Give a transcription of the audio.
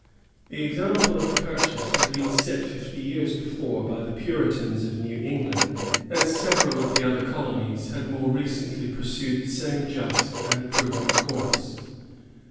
The example of purchase had been set fifty years before by the Puritans of New England; and several of the other colonies had more recently pursued the same just and prudent course.